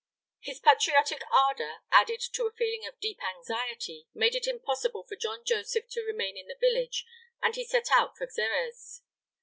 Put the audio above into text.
His patriotic ardor, added to a feeling of deep anxiety, made it impossible for John Joseph to remain in the village, and he set out for Xerez.